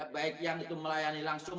baik yang itu melayani langsung